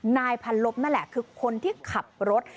นายพันลบนั่นแหละคือคนที่ขับรถ